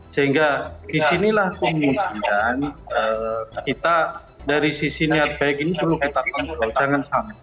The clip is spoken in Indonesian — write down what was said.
sehingga disinilah kemudian kita dari sisi niat baik ini perlu kita tunggu